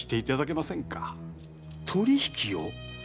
取り引きを？